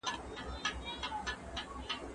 پیر بازار ته راوتلی